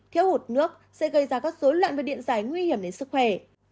thiếu hụt nước sẽ gây ra các dối loạn về điện giải nguy hiểm đến sức khỏe